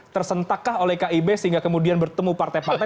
tersentakkah oleh kib sehingga kemudian bertemu partai partai